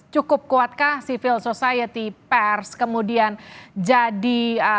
cukup kuatkah civil society pers kemudian jadi